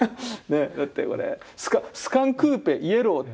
「スカンクーぺイエロー」。